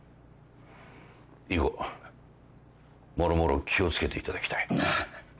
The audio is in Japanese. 以後もろもろ気を付けていただきたい